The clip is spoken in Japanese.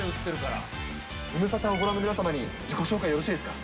ズムサタをご覧の皆様に、自己紹介、よろしいですか？